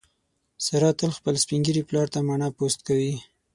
ساره تل خپل سپین ږیري پلار ته مڼه پوست کوي.